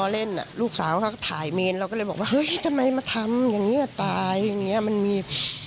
เราก็เลยบอกว่าเฮ้ยทำไมมาทำอย่างเงี้ยตายอย่างเงี้ยมันมี